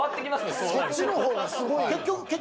そっちのほうがすごい。